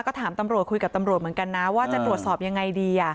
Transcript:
ก็ถามตำรวจคุยกับตำรวจเหมือนกันนะว่าจะตรวจสอบยังไงดี